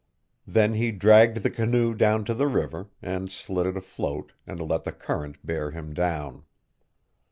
Then he dragged the canoe down to the river, and slid it afloat and let the current bear him down.